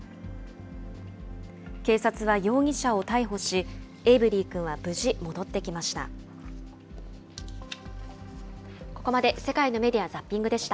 警察は容疑者を逮捕し、エイブリー君は無事戻ってきました。